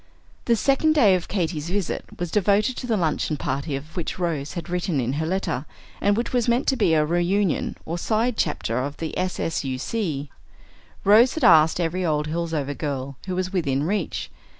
The second day of Katy's visit was devoted to the luncheon party of which Rose had written in her letter, and which was meant to be a reunion or "side chapter" of the S.S.U.C. Rose had asked every old Hillsover girl who was within reach.